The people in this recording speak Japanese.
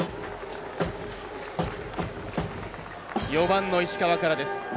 ４番の石川からです。